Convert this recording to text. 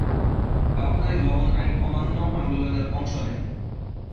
পাবনায় লবণ আইন অমান্য আন্দোলনের অংশ নেন।